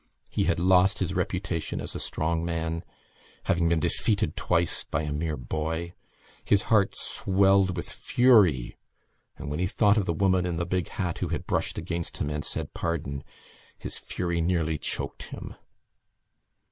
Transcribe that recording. He had lost his reputation as a strong man, having been defeated twice by a mere boy. His heart swelled with fury and, when he thought of the woman in the big hat who had brushed against him and said Pardon! his fury nearly choked him.